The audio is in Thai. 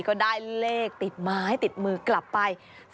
ก็ได้เลขติดไม้ติดมือกลับไป